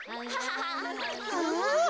うん？